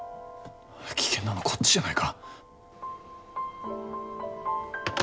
危険なのはこっちじゃないか。